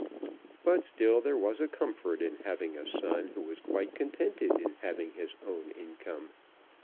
But still there was a comfort in having a son who was quite contented in having his own income.